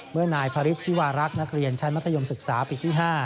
เมื่อนายพระฤทธิวารักษ์นักเรียนชั้นมัธยมศึกษาปีที่๕